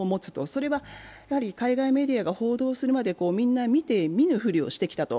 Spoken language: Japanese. それは海外メディアが報道するまでみんな見て見ぬふりをしてきたと。